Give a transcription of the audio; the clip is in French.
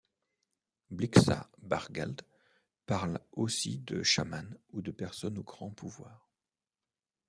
Blixa Bargeld parle aussi de shaman ou de personnes aux grands pouvoirs.